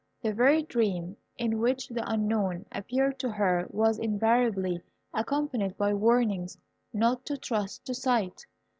The very dream in which the Unknown appeared to her was invariably accompanied by warnings not to trust to sight.